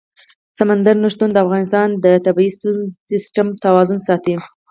سمندر نه شتون د افغانستان د طبعي سیسټم توازن ساتي.